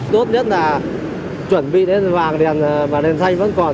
tốt nhất là chuẩn bị đến vàng đèn và đèn xanh vẫn còn